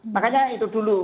makanya itu dulu